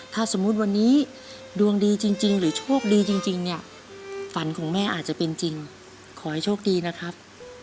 ถ้าสมมุติวันนี้ดวงดีจริงหรือโชคดีจริงเนี่ยฝันของแม่อาจจะเป็นจริงขอให้โชคดีนะครับ